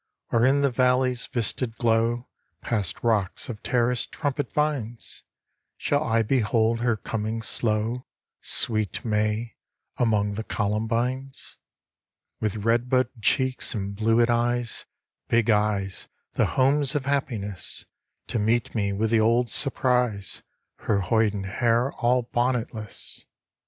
Or in the valley's vistaed glow, Past rocks of terraced trumpet vines, Shall I behold her coming slow, Sweet May, among the columbines? With redbud cheeks and bluet eyes, Big eyes, the homes of happiness, To meet me with the old surprise, Her hoiden hair all bonnetless.